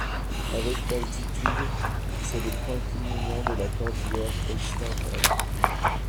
Avec d'altitude, c'est le point culminant de la cordillère Occidentale.